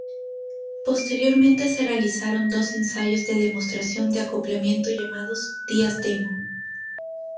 Posteriormente se realizaron dos ensayos de demostración de acoplamiento llamados "días demo".